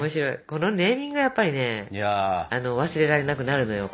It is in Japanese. このネーミングがやっぱりね忘れられなくなるのよ。